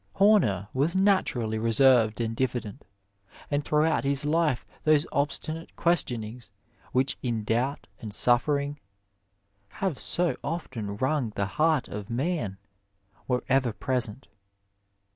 Homer was naturally reserved and diffident, and throughout his life those obstinate ques tionings which in doubt and suffering have so often wrung the heart of man were ever present.